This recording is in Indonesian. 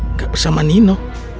nggak bersama nino